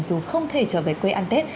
dù không thể trở về quê ăn tết